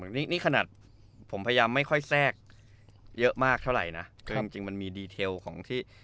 นี่นี่ขนาดผมพยายามไม่ค่อยแทรกเยอะมากเท่าไหร่นะก็จริงจริงมันมีดีเทลของที่